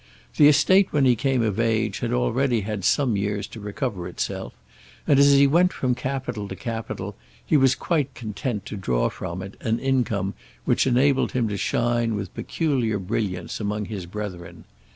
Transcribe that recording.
The estate when he came of age had already had some years to recover itself, and as he went from capital to capital, he was quite content to draw from it an income which enabled him to shine with peculiar brilliance among his brethren.